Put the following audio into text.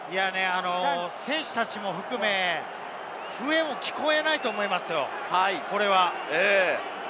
選手たちも含めて笛も聞こえないと思いますよ、これは。